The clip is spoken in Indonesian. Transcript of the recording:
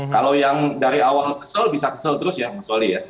kalau yang dari awal kesel bisa kesel terus ya mas wali ya